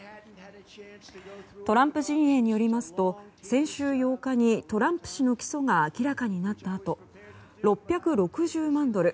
トランプ陣営によりますと先週８日にトランプ氏の起訴が明らかになったあと６６０万ドル